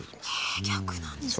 え逆なんですね。